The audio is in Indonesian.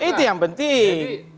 itu yang penting